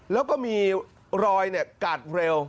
แล้วก็มีรอยกาดเร็ว